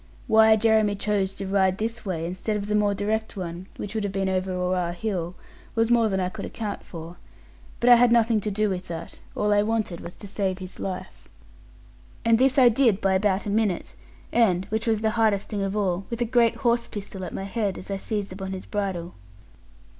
Why Jeremy chose to ride this way, instead of the more direct one (which would have been over Oare hill), was more than I could account for: but I had nothing to do with that; all I wanted was to save his life. And this I did by about a minute; and (which was the hardest thing of all) with a great horse pistol at my head as I seized upon his bridle.